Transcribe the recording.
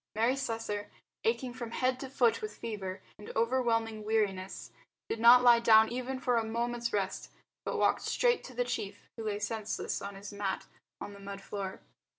_ Mary Slessor, aching from head to foot with fever and overwhelming weariness, did not lie down even for a moment's rest, but walked straight to the chief who lay senseless on his mat on the mud floor.